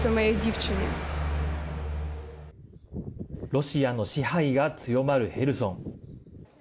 ロシアの支配が強まるヘルソン。